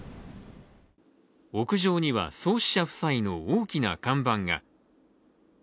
屋上には創始者夫妻の大きな看板が。